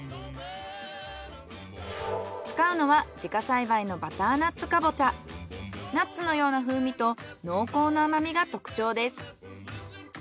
使うのは自家栽培のナッツのような風味と濃厚な甘みが特徴です。